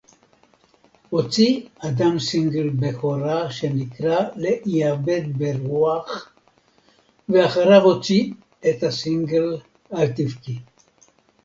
הוציא אדם סינגל בכורה שנקרא "להיאבד ברוח" ולאחריו הוציא את הסינגל "אל תבכי"